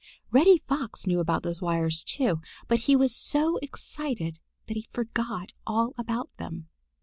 Reddy Fox knew about those wires, too, but he was so excited that he forgot all about them.